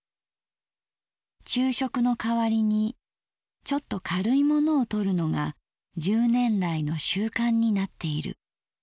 「昼食の代わりにちょっとかるいものをとるのが十年来の習慣になっている。